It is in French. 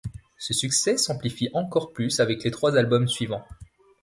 Ce succès s'amplifie encore plus avec les trois albums suivants.